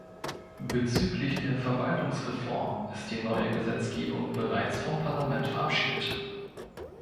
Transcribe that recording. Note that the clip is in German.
Bezüglich der Verwaltungsreform ist die neue Gesetzgebung bereits vom Parlament verabschiedet.